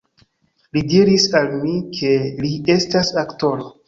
Li diris al mi, ke li estas aktoro.